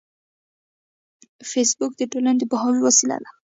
فېسبوک د ټولنې د پوهاوي وسیله ده